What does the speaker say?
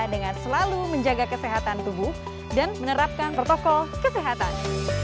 dengan selalu menjaga kesehatan tubuh dan menerapkan protokol kesehatan